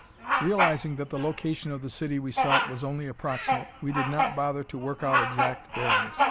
Realising that the location of the city we sought was only approximate, we did not bother to work out exact bearings.